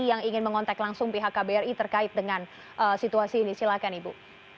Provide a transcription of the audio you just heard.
yang ingin mengontak langsung pihak kbri terkait dengan situasi ini silakan ibu